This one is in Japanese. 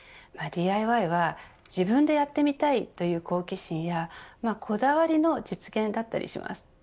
ＤＩＹは自分でやってみたいという好奇心やこだわりの実現だったりします。